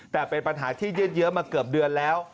แต่เป็นปัญหาที่ยืดเยอะมาเกือบเดือนแล้ว